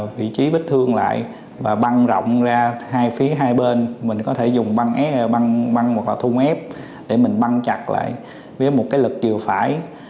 vị trí bếp thương lại và băng rộng ra hai phía hai bên mình có thể dùng băng thun ép để mình băng chặt lại với một cái lực chiều phải